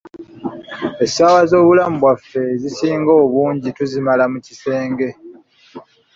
Essaawa z‘obulamu bwaffe ezisinga obungi kumpi tuzimala mu kisenge.